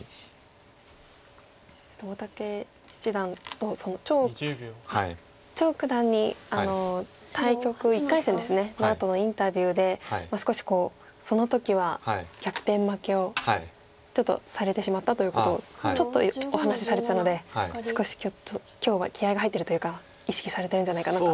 そして大竹七段張九段に対局１回戦ですねのあとのインタビューで少しその時は逆転負けをちょっとされてしまったということをちょっとお話しされてたので少し今日は気合いが入ってるというか意識されてるんじゃないかなと。